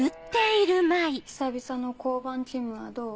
久々の交番勤務はどう？